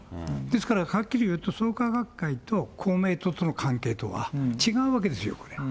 ですからはっきり言うと創価学会と公明党との関係とは違うわけですよ。